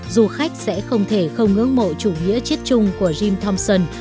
du khách sẽ không thể không ước mộ chủ nghĩa chết chung của jim thompson